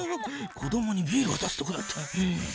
子どもにビールわたすとこだった。